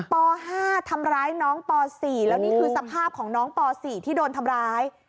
ป๕ทำร้ายน้องป๔แล้วนี่คือสภาพของน้องป๔ที่โดนทำร้าย